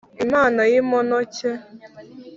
Imana y'imponoke,